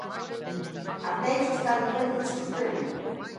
Arteixo está en nivel de risco extremo.